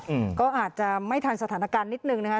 อืมก็อาจจะไม่ทันสถานการณ์นิดนึงนะคะ